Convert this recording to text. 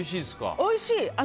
おいしい！